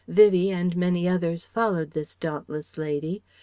Vivie and many others followed this dauntless lady.